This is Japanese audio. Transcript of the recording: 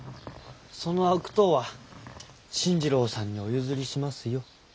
その悪党は新二郎さんにお譲りしますよ。